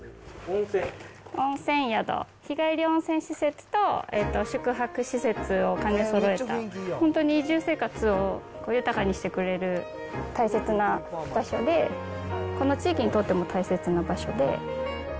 温泉宿、日帰り温泉施設と宿泊施設を兼ね備えた、本当に移住生活を豊かにしてくれる、大切な場所で、この地域にとっても大切な場所で。